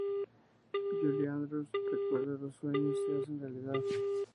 Julie Andrews: Recuerda... los sueños se hacen realidad!